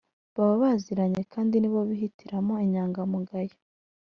baba baziranye kandi ni bo bihitiramo inyangamugayo